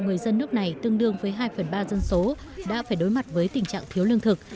người dân nước này tương đương với hai phần ba dân số đã phải đối mặt với tình trạng thiếu lương thực